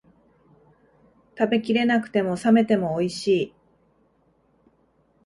食べきれなくても、冷めてもおいしい